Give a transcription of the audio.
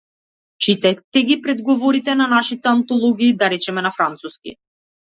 Читајте ги предговорите на нашите антологии, да речеме на француски.